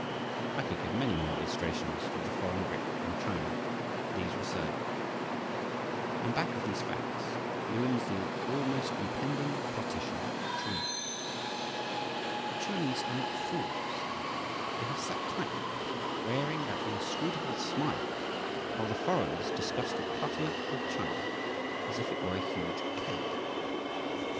I could give many more illustrations of the foreign grip on China, but these will serve. And back of these facts looms the always impending "partition of China." The Chinese are not fools. They have sat tight, wearing that inscrutable smile, while the foreigners discussed the cutting up of China as if it were a huge cake.